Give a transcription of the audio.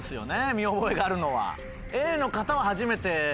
見覚えがあるのは。